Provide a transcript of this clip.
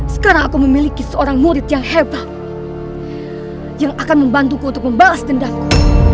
sekarang aku memiliki seorang murid yang hebat yang akan membantuku untuk membalas dendaku